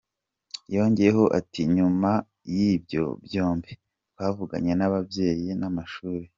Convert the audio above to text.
Yongeyeho ati :”Nyuma y’ibyo byombi, twavuganye n’ababyeyi n’amashuri.